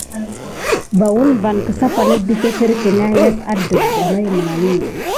Kənahet woun van mogoni va kəsapanek də tepelke na yas kəta a dangay mənani.